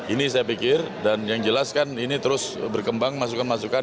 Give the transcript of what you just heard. ini saya pikir dan yang jelas kan ini terus berkembang masukan masukan